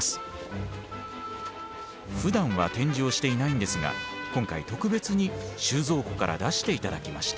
ふだんは展示をしていないんですが今回特別に収蔵庫から出して頂きました。